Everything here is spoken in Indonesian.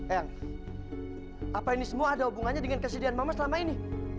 eyang apa ini semua ada hubungannya dengan kesediaan mama selama ini